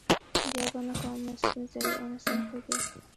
بیا به نه کومه ستونزه وي او نه سر خوږی.